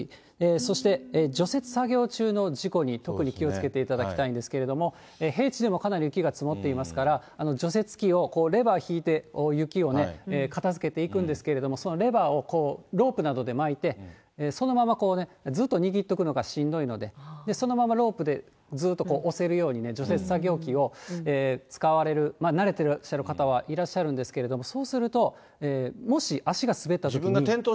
そして除雪作業中の事故に特に気をつけていただきたいんですけれども、平地でもかなり雪が積もっていますから、除雪機を、レバーを引いて、雪をね、片づけていくんですけれども、そのレバーをロープなどで巻いて、そのままずっと握っておくのがしんどいので、そのままロープでずっと押せるように、除雪作業機を使われる、慣れてらっしゃる方はいらっしゃるんですけれども、そうすると、もし足が滑ったときに。